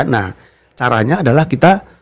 nah caranya adalah kita